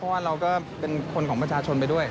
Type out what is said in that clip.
เพราะว่าเราก็เป็นคนของประชาชนไปด้วย